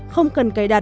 không cần cài đặt